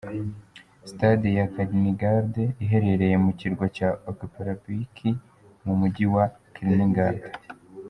Stade ya Kaliningrad iherereye ku Kirwa cya Oktyabrsky mu Mujyi wa Kaliningrad.